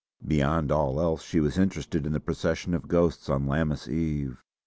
Beyond all else, she was interested in the procession of ghosts on Lammas Eve.